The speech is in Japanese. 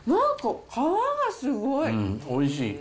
おいしい。